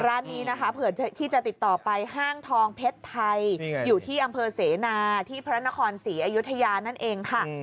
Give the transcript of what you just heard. ร้านนี้นะคะเผื่อที่จะติดต่อไปห้างทองเพชรไทยอยู่ที่อำเภอเสนาที่พระนครศรีอยุธยานั่นเองค่ะ